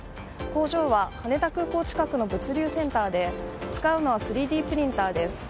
工場は羽田空港近くの物流センターで使うのは３Ｄプリンターです。